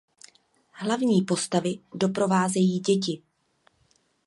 Hlavní postavy doprovázejí děti.